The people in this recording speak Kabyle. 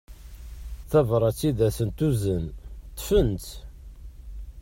Tabrat i asent-d-tuzen ṭṭfent-tt.